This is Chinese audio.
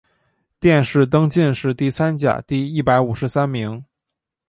殿试登进士第三甲第一百五十三名。